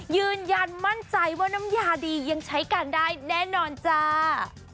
ยืนยันมั่นใจว่าน้ำยาดียังใช้การได้แน่นอนจ้า